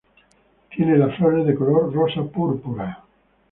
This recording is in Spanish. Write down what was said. Tiene las flores de color rosa-púrpura.